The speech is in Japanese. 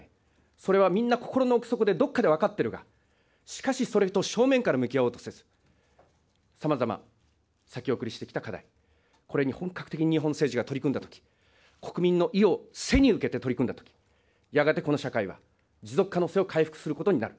それはみんな心の奥底で、どっかで分かっているが、しかしそれと正面から向き合おうとせず、さまざま、先送りしてきた課題、これに本格的に日本政治が取り組んだとき、国民の意を背に受けて取り組んだとき、やがてこの社会は持続可能性を回復することになる。